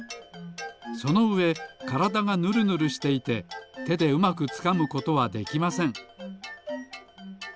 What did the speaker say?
そのうえからだがぬるぬるしていててでうまくつかむことはできません。